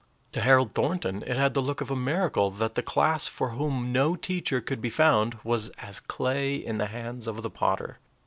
To Harold Thornton it had the look of a miracle that the class for whom no teacher could be found was as clay in the hands of the potter.